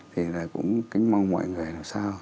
thì là cũng kính mong mọi người làm sao